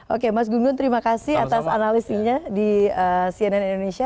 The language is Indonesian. oke mas gungun terima kasih atas analisinya di cnn indonesia